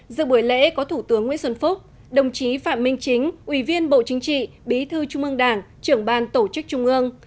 giữa buổi lễ có thủ tướng nguyễn xuân phúc đồng chí phạm minh chính ủy viên bộ chính trị bí thư trung ương đảng trưởng ban tổ chức trung ương